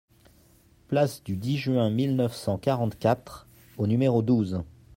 Place du dix Juin mille neuf cent quarante-quatre au numéro douze